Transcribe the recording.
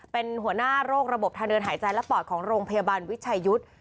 เป็นหัวหน้าโรคระบบทางเดินหายใจและปอดของโรงพยาบาลวิชัยยุทธ์